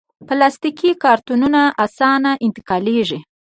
پلاستيکي کارتنونه اسانه انتقالېږي.